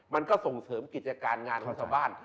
มันก็ส่งเสริมกิจการงานของชาวบ้าน